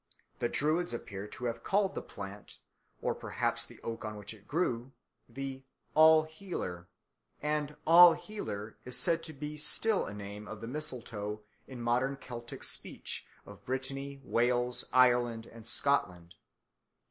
The Druids appear to have called the plant, or perhaps the oak on which it grew, the "all healer"; and "all healer" is said to be still a name of the mistletoe in the modern Celtic speech of Brittany, Wales, Ireland, and Scotland.